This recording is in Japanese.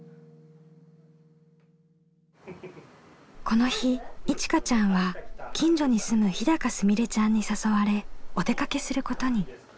この日いちかちゃんは近所に住む日すみれちゃんに誘われお出かけすることに。